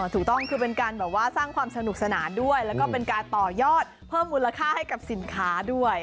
ถูกต้องคือเป็นการแบบว่าสร้างความสนุกสนานด้วยแล้วก็เป็นการต่อยอดเพิ่มมูลค่าให้กับสินค้าด้วย